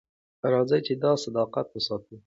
راځئ چې دا صداقت وساتو.